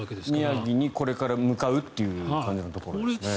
宮城にこれから向かう感じのところなんですかね。